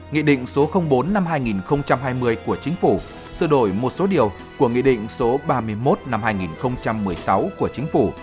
nghị định số bốn năm hai nghìn hai mươi của chính phủ sửa đổi một số điều của nghị định số ba mươi một năm hai nghìn một mươi sáu của chính phủ